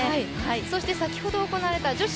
そして先ほど行われた女子